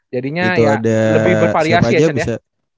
jadinya ya lebih bervariasi ya chan ya